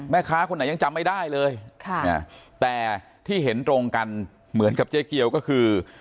แม่ค้าคนไหนยังจำไม่ได้เลยแต่ที่เห็นตรงกันเหมือนกับเจ๊เกียวก็คือ